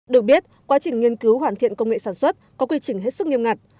được biết quá trình nghiên cứu hoàn thiện công nghệ sản xuất có quy trình hết sức nghiêm ngặt